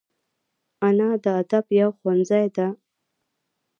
انا د ادب یو ښوونځی ده